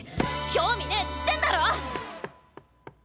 興味ねっつってんだろ！